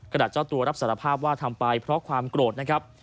เจ้าตัวรับสารภาพว่าทำไปเพราะความโกรธนะครับ